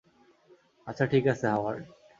আচ্ছা, ঠিক আছে, হাওয়ার্ড।